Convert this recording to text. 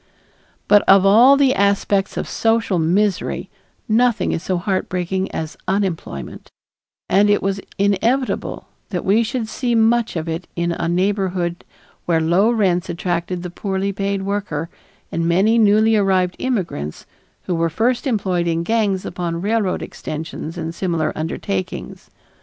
But of all the aspects of social misery nothing is so heartbreaking as unemployment, and it was inevitable that we should see much of it in a neighborhood where low rents attracted the poorly paid worker and many newly arrived immigrants who were first employed in gangs upon railroad extensions and similar undertakings.